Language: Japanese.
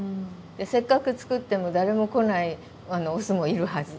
せっかく作っても誰も来ないオスもいるはず。